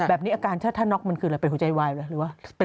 แบบนี้อาการถ้าน็อกมันคืออะไรเป็นหัวใจวายไหมหรือว่า